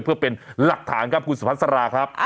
เพื่อเป็นหลักฐานครับคุณสุพัสราครับ